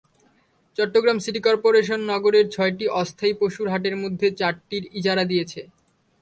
Chittagong city corporation নগরের ছয়টি অস্থায়ী পশুর হাটের মধ্যে চারটির ইজারা দিয়েছে।